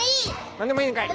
何でもいいんかい。